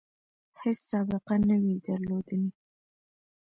هیڅ سابقه نه وي درلودلې.